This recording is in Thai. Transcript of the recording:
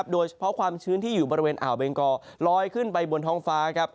โดยเฉพาะความชื้นที่อยู่บริเวณอ่าวเบงกอลอยขึ้นไปบนท้องฟ้า